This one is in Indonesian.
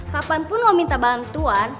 kapanpun lo minta bantuan